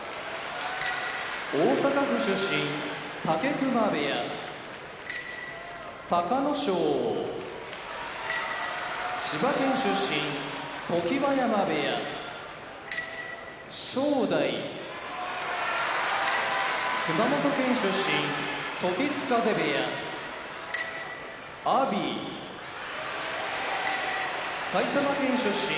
大阪府出身武隈部屋隆の勝千葉県出身常盤山部屋正代熊本県出身時津風部屋阿炎埼玉県出身